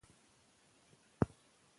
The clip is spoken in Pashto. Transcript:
زده کوونکي به راتلونکې کې پوښتنې کوله.